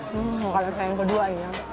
hmm kalau saya yang kedua ya